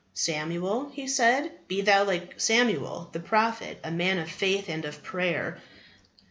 Samuel, he said, be thou like Samuel the prophet, a man of faith and of prayer.